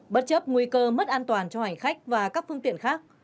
bất chấp nguy cơ mất an toàn cho hành khách và các phương tiện khác